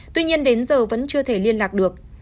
tuy nhiên đến giờ vẫn chưa thể liên lạc được